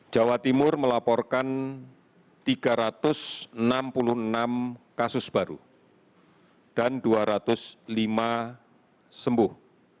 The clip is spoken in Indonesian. jawa timur melaporkan tiga ratus enam puluh enam kasus baru dan dua ratus lima sembuh